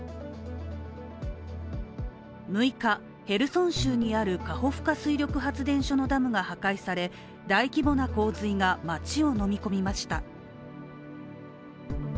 ６日、ヘルソン州にあるカホフカ水力発電所のダムが破壊され、大規模な洪水が、街を飲み込みました。